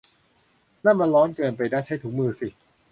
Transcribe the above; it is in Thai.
นั่นมันร้อนเกินไปนะ ! ใช้ถุงมือสิ !